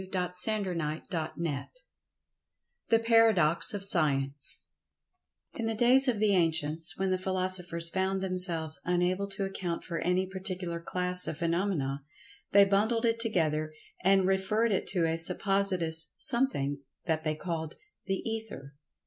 [Pg 96] CHAPTER VII THE PARADOX OF SCIENCE IN the days of the ancients, when the philosophers found themselves unable to account for any particular class of phenomena, they bundled it together and referred it to a suppositious Something that they called "The Ether."